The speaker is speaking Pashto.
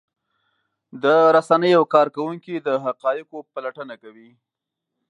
د رسنیو کارکوونکي د حقایقو پلټنه کوي.